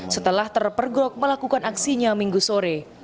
setelah terpergok melakukan aksinya minggu sore